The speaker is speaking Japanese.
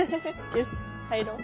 よし入ろう。